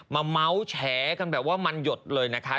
เมาส์แฉกันแบบว่ามันหยดเลยนะคะ